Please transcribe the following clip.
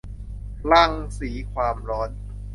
รังสีความร้อน